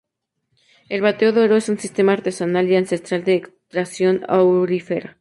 El bateo de oro es un sistema artesanal y ancestral de extracción aurífera.